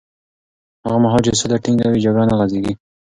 هغه مهال چې سوله ټینګه وي، جګړه نه غځېږي.